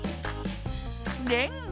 レンガ。